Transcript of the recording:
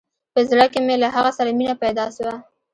په زړه کښې مې له هغه سره مينه پيدا سوه.